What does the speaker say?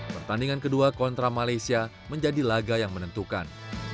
pertandingan kedua kontra malaysia menjadi laga yang menentukan